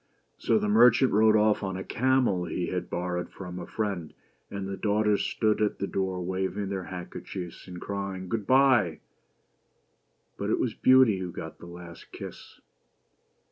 So the merchant rode off on a camel he had borrowed from a friend, and the daughters stood at the door waving their handker chiefs and crying "good bye!" But it was Beauty who got the last kiss.